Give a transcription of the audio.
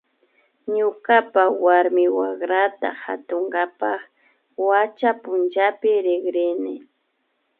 Ñukapa warmi wakrata katunkapak wacha punchapi rikrini